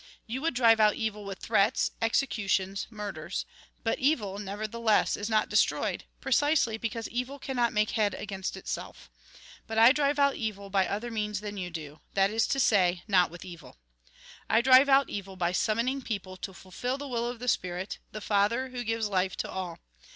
You would drive out evil with threats, executions, murders ; but evil, nevertheless, is not destroyed, precisely because evil cannot make head against itself. But I drive out evil by other means than you do ; that is to say, not with evil. " I drive out evil by summoning people to fulfil the will of the Spirit, the Father, who gives life to all.